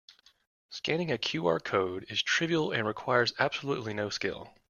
Scanning a QR code is trivial and requires absolutely no skill.